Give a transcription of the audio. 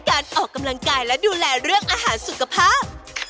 การออกกำลังกายและดูแลเรื่องอาหารสุขภาพ